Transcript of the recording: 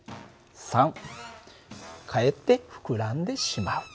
３かえって膨らんでしまう。